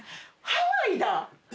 ハワイだ！